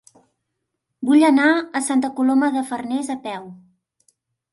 Vull anar a Santa Coloma de Farners a peu.